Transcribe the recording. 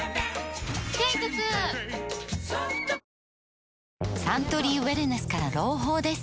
ペイトクサントリーウエルネスから朗報です